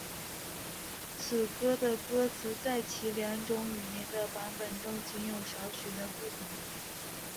此歌的歌词在其两种语言的版本中仅有少许的不同。